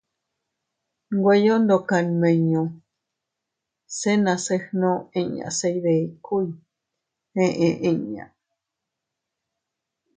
Nweyo ndoka nmiño se nase gnu inñas se iydikuy eʼe inña.